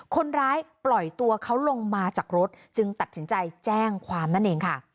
คนร้ายปล่อยตัวเขาลงมาจากรถจึงตัดสินใจแจ้งความนั่นเองค่ะ